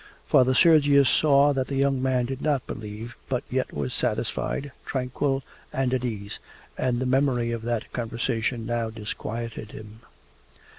Father Sergius saw that the young man did not believe but yet was satisfied, tranquil, and at ease, and the memory of that conversation now disquieted him.